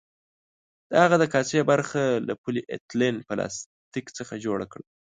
د هغه د کاسې برخه له پولي ایتلین پلاستیک څخه جوړه کړه.